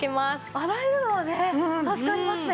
洗えるのはね助かりますね。